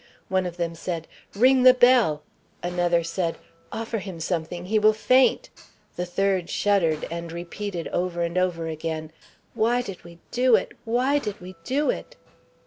One of them said, "Ring the bell!" Another said, "Offer him something, he will faint." The third shuddered, and repeated, over and over again, "Why did we do it? Why did we do it?"